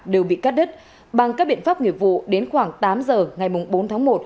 đều bị cắt đứt bằng các biện pháp nghiệp vụ đến khoảng tám giờ ngày bốn tháng một